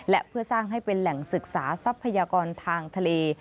และเพื่อสร้างให้เป็นแหล่งศึกษาทรัพยากรทางทะเล